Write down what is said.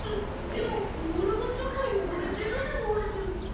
でもこうらがちょっとよごれてるでごわす。